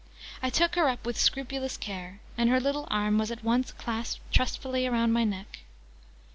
I took her up with scrupulous care, and her little arm was at once clasped trustfully round my neck.